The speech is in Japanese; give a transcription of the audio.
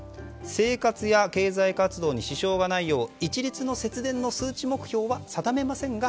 生活や経済活動に支障がないよう一律の節電の数値目標は定めませんが